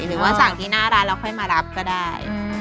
หรือว่าสั่งที่หน้าร้านแล้วค่อยมารับก็ได้